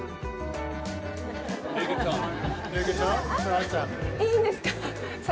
あ、いいんですか？